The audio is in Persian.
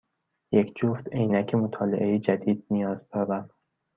یک جفت عینک مطالعه جدید نیاز دارم.